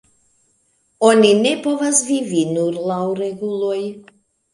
Oni ne povas vivi nur laŭ reguloj.